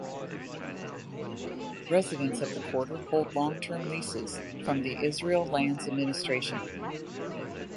Residents of the quarter hold long-term leases from the Israel Lands Administration.